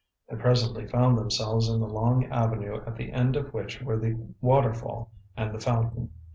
They presently found themselves in the long avenue at the end of which were the waterfall and the fountain.